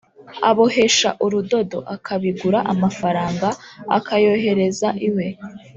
abohesha urudodo, akabigura amafaranga akayohereza iwe